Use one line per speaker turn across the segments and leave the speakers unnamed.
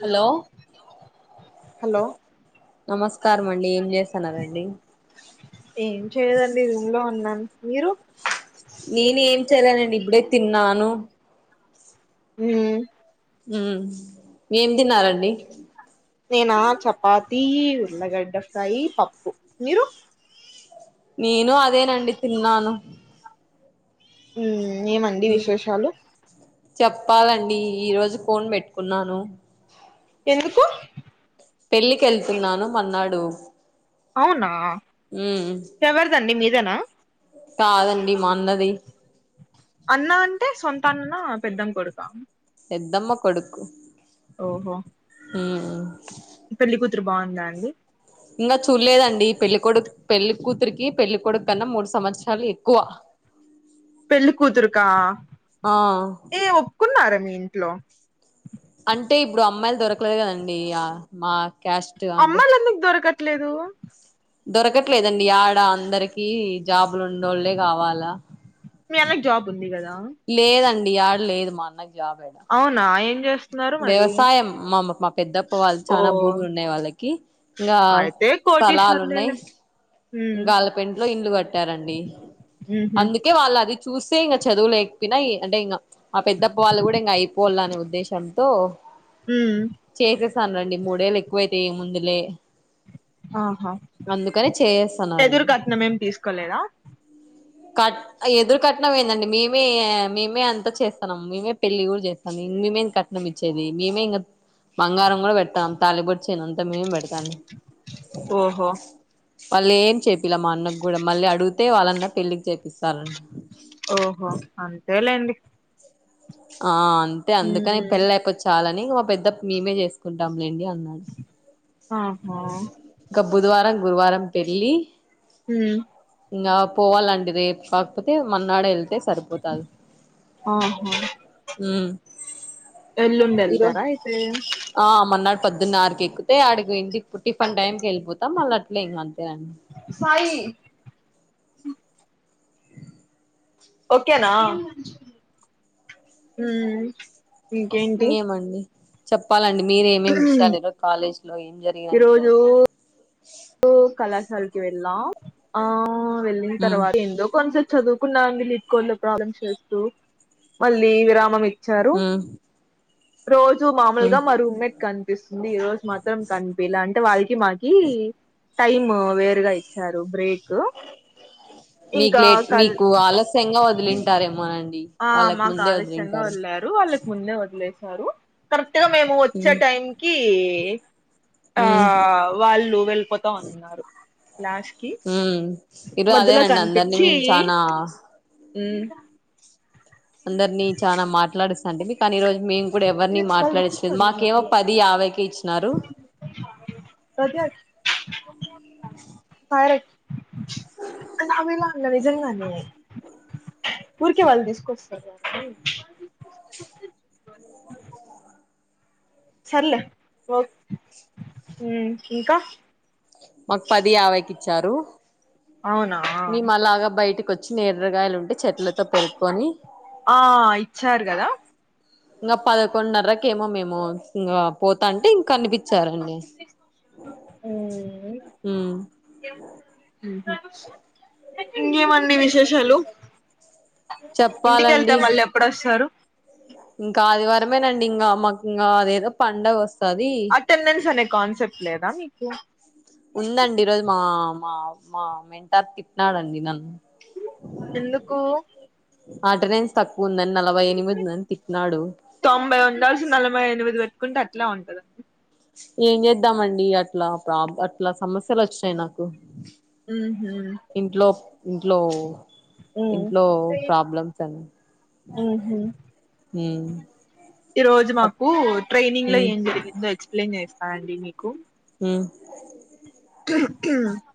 Hello
hello నమస్కారం అండి ఏం చేస్తన్నరండి
ఏం చేయదండి ఉల్లోవున్నాను మీరు
నేనేఏం చేయలేనండి ఇప్పుడే తిన్నాను
ఉమ్
ఉమ్ ఏం తిన్నారండి
నేనా చపాతి ఉల్లగడ్డ ఫ్రై పప్పు మీరు
నేను అదేనండి తిన్నాను
ఉమ్ ఏమండి విశేషాలు
చెప్పాలండి ఈరోజు కోన్ పెట్టుకున్నాను
ఎందుకు
పెళ్ళికిళ్తున్నాను మన్నాడు
అవునా ఎవరిదండి మీదేనా
కదండి మన్నది
అన్న అంటే సొంత అన్న పెద్దం కొడుక
ఎద్దమ్మ కొడుకు
ఓహో
మ్మ్
పెళ్లి కూతురు బాగుందా అండి
ఇంకా చూడలేదండి పెళ్ళికొడుకు పెళ్లి కూతురికి పెళ్ళికొడుకు కన్నా మూడు సంవత్సరాలు ఎక్కువ
పెళ్లికుతురుకా
ఆ
ఏ ఒప్పుకున్నారా మీ ఇంట్లో
అంటే ఇప్పుడు అమ్మాయిలు దొరకలేదు కదండి ఆ మా క్యాస్ట్ అండి
అమ్మాయిలెందుకు దొరకట్లేదు
దొరకట్లేదండి యాడ అందరికి జాబులునోలే కావాలా
మీ అన్నకి జాబ్ ఉంది గదా
లేదండి యాడ లేదు మా అన్నకి జాబ్ యాడ
అవునా ఏం చేస్తున్నారు మరి
వ్యవసాయం మా మా పెద్దప్ప వాళ్లు
ఓ
చానా భూములున్నాయి వాళ్లకి ఇంగా
అయితే
స్థలాలున్నాయి
కోటీశ్వర్లేలే ఉమ్
ఇగాల పెంట్లో ఇండ్లు కట్టారండి
ఉహు
అందుకే వాళ్లు అది చూస్తే ఇంగా చదువు లేకపోయినా ఇ అంటే ఇంగా ఆ పెద్దప్ప వాళ్లు గూడ ఇంగా అయిపోవాలనే ఉద్దేశం ఉద్దేశంతో
ఉమ్మ్
ఇస్తాన్ రండి మూడేళ్లు ఎక్కువైతే ఏం ముందులే
ఆహా!
అందుకనే చేస్
ఎదురు కట్నం ఏం తీసుకోలేదా
కట్ ఎదురు కట్నం ఏందండి మేమే మేమే అంత చేస్తాన్నాం మేమే పెళ్లి గూడ చేస్తానం ఇగ మేమే కట్నం ఇచ్చేది మేమే ఇంకా బంగారం గూడ పెట్టాం తాలిబొట్టు చైన్ అంతే ఇంగా మేం బేడతాన్నాం
ఓహో!
వాళ్లేమో ఏం చెప్పిలా మా అన్న గూడ మళ్లీ అడుగుతే వాళ్ళన్నా పెళ్లిక్ జేప్
ఓహో అంతేలేండి
ఆ అంతే అందుకని
హ్మ్.
పెళ్ళియిపోతే చాలని మా పెద్దప్ప మేమే జేసుకుంటాంలేండి అన్నాడు
ఆహా
బుదువారం గురువారం పెళ్లి
ఉమ్మ్
ఇంగా పోవాలండి రేపు కాకపోతే మన్నాడే వెళ్ ఉంటే సరిపోతాది
ఆహా! ఎల్లుండి
ఇరో
ఎళ్తారా అయితే?
ఆ మన్నాడ్ పోదున్న ఆరుకేక్కితే అడిగిటిక్ టిఫన్ టైమ్ కేళ్ళిపోతం మళ్ల [unintelligible] ఏం అ తేరన్
ఉహ్ ఓకేనా ఉమ్మ్ ఇంకేంటి
ఇంకేమండి చెప్పాలండి మీరే ఏమేమి విషయాలు ఈ రోజు కాలేజీలో ఏం జరిగినాయి
టూ కళాశాలకి వెళ్ళాం ఆ వెళ్ళిన
ఉమ్
తర్వాత చదువుకున్నా నీట్కోళ్లె ప్రాబ్లమ్స్ జేస్తూ మళ్లీ విరామం ఇచ్చారు
ఉమ్
రోజు మామూల్
ఉమ్
గా మా రూమ్ మీట్ కన్ కనిపిస్తుంది ఈ రోజు మాత్రం కనిపియాలే అంటే వాళ్లకి మాకి టైమ్ము వేరుగా ఇచ్చారు బ్రేక్
మీక్
ఇంకా
లేట్
కల్
మీకు ఆలస్యంగా వదిలింటారేమోనండి
ఆ
వాళ్ళకి
మాక్
ముందే
ఆలస్యంగా
వదిలింటారు
వళ్లారు వాళ్లక్ ముందే వదిలేస్ లేశారు కరెక్ట్ గా మేము వచ్చే
ఉమ్
టైం కి ఆ
ఉమ్
వాళ్లు వెళ్ళిపోతాం అన్నారు లాస్ట్ కి
ఉమ్ ఈరోజు
మధ్యలో
అదేనండి అందరినీ
కనిపించీ
మేము చానా
ఉమ్మ్
అందరినీ చానా మాట్లాడుస్తండి మీ కానీ ఈ రోజు మేము కూడా ఎవరిని
వాళ్ళు
మాట్లాడిచ్చలేదు
తెచ్చిస్తారులే
మాకేమో
మధ్యలో
పది యాభైకే ఇచ్చినారు
బజాజ్.. పారెయ్ అ నాభే లానే నిజంగానే ఊరికే వాళ్ళు దీసుకొస్తారు సర్లే ఓ ఉ ఇంకా
మాకు పది యాభైకి ఇచ్చారు
అవునా
మేము అలాగ బయటకి వచ్చి నేర్రగాయలు ఉన్ అే చెట్లతో పెర్కోని
ఆ ఇచ్చారు కదా
ఇంకా పదకొండున్నరకెమో మేము ఇంగా పోతా అంటే కనిపిచ్చారండి
ఇంకేమండి విశేషాలు ఇంటికెళ్తే
చెప్పాలండి
మళ్ళీ ఎప్పుడొస్తారు
ఇంకా ఆదివారమేనండి ఇంకా మాకు ఇంకా అదేదో పండగ వస్
అటెండన్స్ అనే కాన్సెప్ట్ లేదా మీకు
ఉందండి ఈరోజు మామ మా మేంటాార్ తిట్నాడండి నన్ను
ఎందుకు
అటెండెన్స్ తక్కువ ఉందని నలభై ఎనిమిది ఉందని తిట్నాడు
కుంటే అట్లా ఉంటద
ఏం చేద్దామండి అట్లా ప్రాబ్ అట్లా సమస్యలు వచ్చాయి నాకు
ఆ హ
ఇంట్లో ఇంట్లో ఇంట్లో ప్రాబ్లమ్స్ అని
ఉహు
హ
ఈ రోజు మాకు ట్రైనింగ్ లో ఏం జరిగిందో ఎక్స్ప్లెయిన్ చేస్తానండి మీకు
ఆ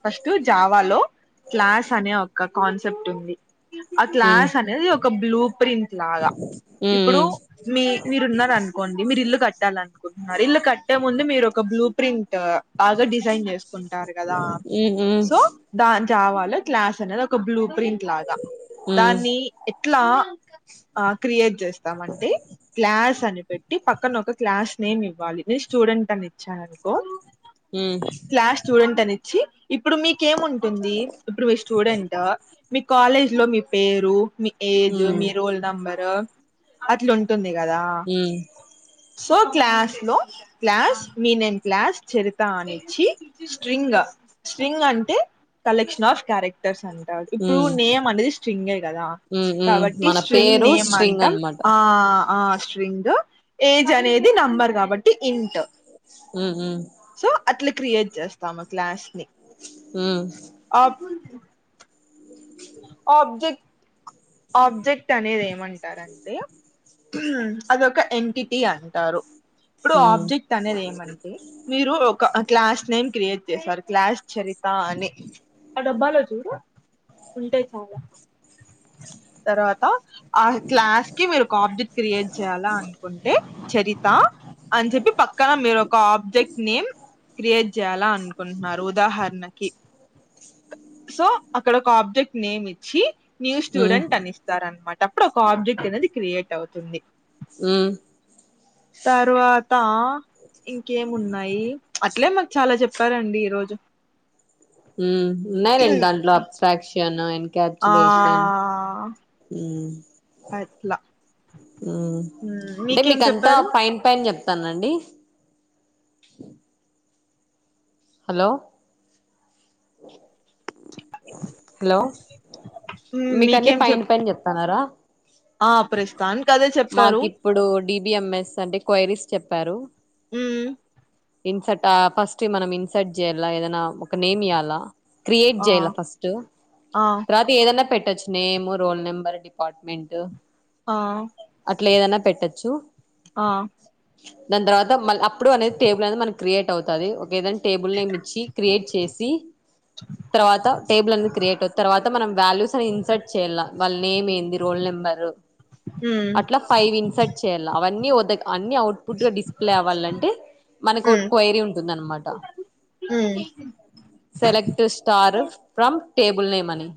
ఫస్ట్ జావాలో క్లాస్ అనే ఒక కాన్సెప్ట్ ఉంది ఆ
మ్మ్
క్లాస్ అనేది ఒక బ్లూ ప్రింట్ లాగా ఇప్పుడు
మ్మ్
మీ మీరు ఉన్నారనుకోండి మీరు ఇల్లు కట్టాల అనుకుంటున్నారు ఇల్లు కట్టే ముందు మీరు ఒక బ్లూ ప్రింట్ అది బాగా డిజైన్ చేసుకుంటారు కదా
మ్మ్ మ్మ్ మ్మ్ మ్మ్
సో దాన్ జవాాల క్లాస్ అనేది ఒక బ్లూ ప్రింట్ లాగా దాన్ని అట్లా ఆ క్రియేట్ చేస్తామంటే క్లాస్ అని పెట్టి పక్కన ఒక క్లాస్ నేమ్ ఇవ్వాలి నేను స్టూడెంట్ అని ఇచ్చాను అనుకో
హ
నా స్టూడెంట్ అనిచ్చి ఇప్పుడు మీకేముంటుంది ఇప్పుడు మీ స్టూడెంట్ మీ కాలేజ్ లో మీ పేరు మీ ఏజ్ మీ రోల్ నంబరు అట్లుంటుంది దా
మ్మ్
సో క్లాస్ లో క్లాస్ మీ నేన్ క్లాస్ చెరిత అనిచ్చి స్ట్రింగ్ స్ట్రింగ్ అంటే కలెక్షన్ ఆఫ్ క్యారెక్టర్స్ అన్ ఇప్పుడు నేమ్ అనేది స్ట్రింగే కదా
మ్మ్ మ్మ్
కాబట్టి
మన
స్ట్రింగ్
పేరు
నేమ్
స్ట్రింగ్
అంటా
అనమాట
ఆ ఆ స్ట్రింగ్ ఏజ్ అనేది నంబర్ కాబట్టి ఇంట్
ఉమ్
సో అట్లా క్రియేట్ చేస్తా మా క్లాస్ ని
హ
ఆబ్ ఆబ్జెక్ట్ ఆబ్జెక్ట్ అనేది ఏమంటారంటే అదొక ఎంటిటీ అంటారు ఇప్పుడు
మ్మ్
ఆబ్జెక్ట్ అనేది ఏమంటే మీరు ఒక క్లాస్ నేమ్ క్రియేట్ చేశారు క్లాష్ చరిత అని ఉంటాయి చాలా
ఇ
తర్వాత ఆ క్లాస్ కి మీరు ఒక ఆబ్జెక్ట్ క్రియేట్ చేయ్యాలా అనుకుంటే చరిత అని చెప్పి పక్కన మీరు ఒక ఆబ్జెక్ట్ నేమ్ క్రియేట్ చేయాల అన్ అనుకుంటున్నారు ఉదాహరణకి సో అక్కడ ఒక ఆబ్జెక్ట్ నేమ్ ఇచ్చి మీరు
మ్మ్
స్టూడెంట్ అనిస్తారనమాట అప్పుడు ఒక ఆబ్జెక్ట్ అనేది క్రియేట్ అవుతుంది
మ్
తర్వాత ఇంకేమున్నాయి అట్లే మాకు చాలా చెప్పారండి ఈరోజు
మ్ ఉన్నయ్ రెండు దాంట్లో అబ్ట్రాక్షన్ ఎన్ కచులేషన్
ఆ అట్లా
మ్
హ్మ్
అంటే
మీకేం
మీక అంతా
చెప్పారు
పైన పైన చెప్త స్తానండి హలో హలో
హ్మ్
మీకు అన్ని
మీకేం
పైన
చెప్
పైన చెప్తన్నారా
ఆ ప్రస్తానికి అదే చెప్పారు
బిఎంఎస్ అంటే క్వైరీస్ చెప్పారు
మ్
ఇన్సర్ట్ ఆ ఫస్ట్ ఎ మనం ఇన్సర్ట్ చేయ్యాల ఏదైనా ఒక నేమ్ ఇయ్యాలా క్రియేట్
ఆ
చేయాల ఫస్ట్
ఆ
తర్వాత ఏదైన్నా పెట్ట ట్టచ్చు నేమ్ రోల్ నెంబర్ డిపార్ట్మెంట్
ఆ
అట్లా ఏదన్నా పెట్టచ్చు
ఆ
దాని తర్వాత మల్ అప్పుడు అనేది టేబుల్ అనేది మనకి క్రియేట్ అవుతది ఒకేదంటే టేబుల్ నేమ్ ఇచ్చి క్రియేట్ చేసి తర్వాత టేబుల్ అనేది క్రియేటు తర్వాత మనం వాల్యూస్ అని ఇన్సర్ట్ చేయాల వాళ్ళ నేమ్ ఏంది రోల్ నెంబరు
మ్
అట్లా ఫైవ్ ఇన్సర్ట్ చేయాలి అవన్నీద అన్ని అవుట్ పట్ గా డిస్ప్లే అవ్వాలంటే మనకు ఒటి
హ్మ్
క్వైరీ ఉంటుందన్నమాట
హ్మ్
select star from table name అని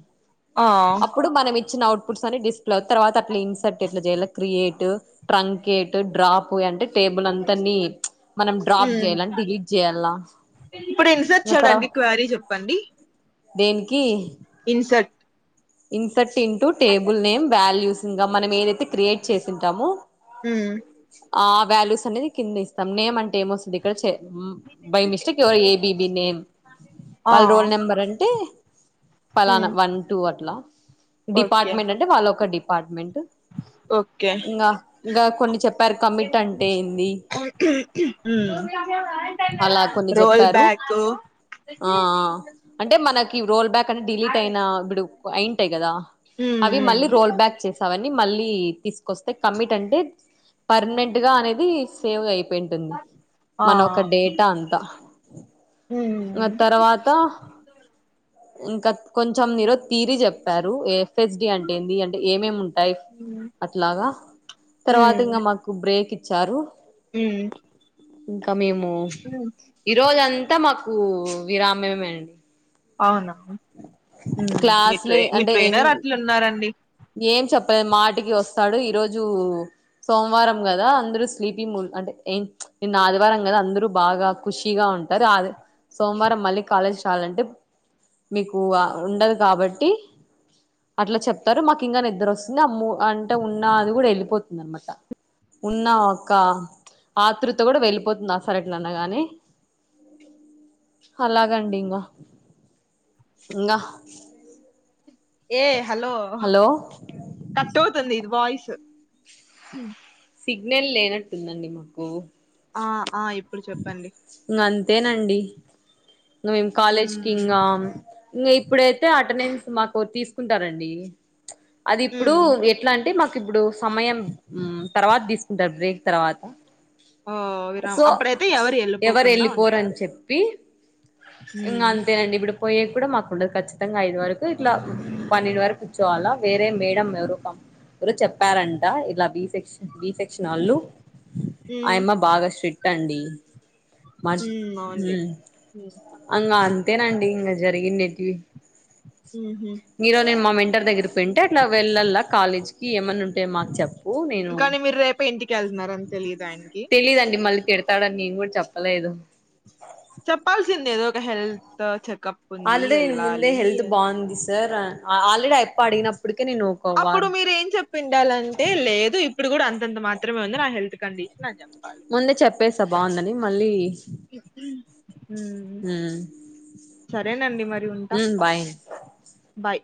ఆ
అప్పుడు మనం ఇచ్చిన అవుట్ పుట్స్ అని డిస్ప్లే తర్వాత అట్లా ఇన్సర్ట్ ఎట్లా చేయాలి క్రియేట్ ట్రంకేట్ డ్రాప్ అంటే టేబుల్ అంతరిని మనం డ్రాప్
హ్మ్
చేయాల డిలీట్ చేయాల
ఇప్పుడు ఇన్సెర్చ్
తర్వా
చేయడానికి క్వరీ చెప్పండి
దేనికి
insert
insert into table name values ఇంగా మనం ఏదైతే క్రియేట్ చేసింటామో
మ్
ఆ వాల్యూస్ అనేది కింద ఇస్తాం నేమ్ అంటే ఏమ వస్తుంది ఇక్కడ చే మ్ బై మిస్టేక్, యువర్ ఏ బీబీ నేమ్
ఆ
వాళ్ల రోల్ నెంబర్, అంటే ఫలానా,
హ్మ్
వన్, టూ అట్లా
ఓకే
డిపార్ట్‌మెంట్ అంటే వాళ్ల ఒక్కో డిపార్ట్‌మెంట్.
ఓకే
ఇంగ ఇంగ కొన్ని చెప్పారు, కమిట్ అంటే ఏంది?
మ్మ్
అలా కొన్ని చెప్పారు, ఆ ఆ అంటే మనకి రోల్‌బ్యాక్ కానీ డిలీట్ అయిన ఇప్పుడు అయింటాయి గదా,
హ్మ్
అవి
హ్మ్
మళ్లీ రోల్‌బ్యాక్ చేసావని? మళ్లీ తీసుకోస్తే, కమిట్ అంటే పర్మినెంట్ గా అనేది సేవ్ గా అయి వింటుంది,
ఆ
మన ఒక డేటా అంతా
హ్మ్
ఇంగ తర్వాత ఇంకా కొంచెం నిరుత్. తీరి చెప్పారు ఎఫ్ ఎస్ డి అంటే ఏంది అంటే, ఏమేమి ఉంటాయి
హ్మ్.
అట్లాగా తర్వాత, ఇంగ మాకు బ్రేక్ ఇచ్చారు.
మ్మ్
ఇంకా, మేము ఈరోజంతా మాకు విరామమే అండి.
అవునా, మీరు
క్లాస్లే
ట్రై మీ
అంటే ఏమి
ట్రైనర్ అట్లున్నారండి
ఏం చెప్పలేదు, మాటికి వస్తాడు ఈరోజు. సోమవారం కదా, అందరూ స్లీపింగ్ మూడ్ అంటే ఏం నిన్న ఆదివారం కదా అందరూ బాగా ఖుషీగా ఉన్ ఉంటారు అది సోమవారం మళ్లీ కాలేజ్ రావలంటే. మీకు అ ఉండదు కాబట్టి అట్లా చెప్. తారు మాకు ఇంకా నిద్ర వస్తుంది అమ్మో అంటే ఉన్న అది కూడా వెళ్ళిపోతుంది అనమాట. ఉన్న ఒక్క ఆత్రుత కూడా వెళ్లిపోతుంది ఆ సారిట్ల అనగానే అలాగండి, ఇగ ఇంగ
ఏ హలో కట్ అవుతుంది వాయిస్
సిగ్నల్ లేనట్టుందండి మీకు
ఆ ఆ ఇప్పుడు చెప్పండి
ఇంగంతేనండి. ఇన్
హ్మ్
కాలేజ్కింగా, ఇగ ఇప్పుడైతే అటెండెన్స్. మాకోటి తీసుకుంటారండి. అది ఇప్పుడు
హ్మ్
ఎట్లా అంటే మాకు. ఇప్పుడు సమయం తర్వాత తీసుకుంటారు. బ్రేక్ తర్వా
ఓ విరా
సో
అప్పుడైతే ఎవరు వెళ్ళిపోకుండా
ఎవరెళ్లిపోరని
ఉంటారు
చెప్పి.
హ్మ్
ఇంగంతేనండి ఇప్పుడు పోయే. ఇప్పుడు మాకు ఉండదు. ఖచ్చితంగా ఐదు వరకు ఇట్లా పన్నెండు వరకు కూర్చోవాలా, వేరే మేడంమ్ ఎవరో పం ఎవరో చెప్పారంట, ఇట్లా బీఫ్. సె బి సెక్షన్‌ వాళ్లు
హ్మ్
ఆయమ్మ బాగా స్ట్రిక్ట్ అండి. మంచ్
హ్మ్ అవునులే
మ్మ్ ఇంగ అంతేనండి ఇంగ జరిగిండే
ఊహూ
ఈరోజెం మా మెన్ టర్ దగ్గర పోయింటే అట్లా వెళ్ళలా, కాలేజ్ కి ఏమన్నా ఉంటే మాకు చెప్
కానీ మీరు రేపు ఇంటికెళ్తన్నారని తెలీదు ఆయనకి.
తెలీదండి మళ్ళీ తిడతాడని నేను కూడా చెప్పలేదు.
చెప్పాల్సింది ఏదో ఒక హెల్త్ చె
ఆల్రెడీ నేను ముందే, హెల్త్ బావుంది సార్. ఆల్
అప్పుడు మీరు ఏం చెప్పిండాలంటే లేదు ఇప్ ఇప్పుడు కూడా అంతంత మాత్రమే ఉంది. నా హెల్త్ కండిషన్ అని చెప్పి.
ముందే చెప్పేసా, బావుందని మళ్లీ.
మ్మ్
ఉమ్
సరేనండి మరి ఉంటా
ఉమ్ బాయ్
బాయ్